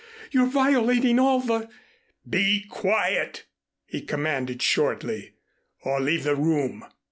You're violating all the " "Be quiet," he commanded shortly, "or leave the room."